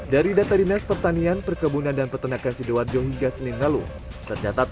dari data dinas pertanian perkebunan dan peternakan sidoarjo hingga senin lalu tercatat